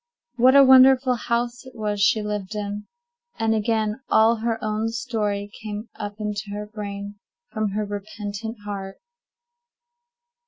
What a wonderful house it was she lived in! And again all her own story came up into her brain from her repentant heart.